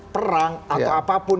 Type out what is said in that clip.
perang atau apapun